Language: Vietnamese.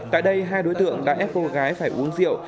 tại đây hai đối tượng đã ép cô gái phải uống rượu